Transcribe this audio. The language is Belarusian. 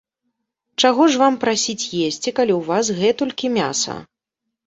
Чаго ж вам прасіць есці, калі ў вас гэтулькі мяса.